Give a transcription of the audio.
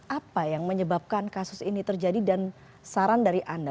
apa yang menyebabkan kasus ini terjadi dan saran dari anda